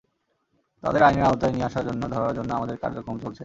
তাদের আইনের আওতায় নিয়ে আসার জন্য, ধরার জন্য আমাদের কার্যক্রম চলছে।